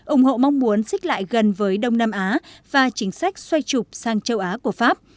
ủng hộ mong muốn xích lại gần với đông nam á và chính sách xoay trục sang châu á của pháp